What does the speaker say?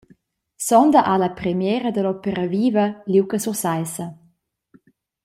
Sonda ha la premiera dall’Opera Viva liug a Sursaissa.